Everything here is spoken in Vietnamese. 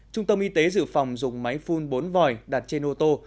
trung tâm y tế dự phòng dùng máy phun bốn vòi đặt trên ô tô